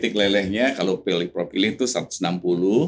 kalau propilin itu satu ratus enam puluh